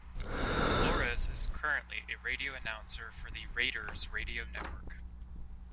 Flores is currently a radio announcer for the Raiders Radio Network.